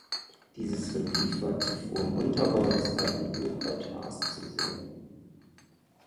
Dieses Relief war zuvor im Unterbau des alten Hochaltars zu sehen.